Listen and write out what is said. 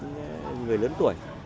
người lớn tuổi